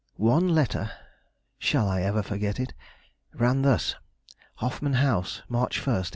One letter shall I ever forget it? ran thus: "HOFFMAN HOUSE, "March 1, 1876."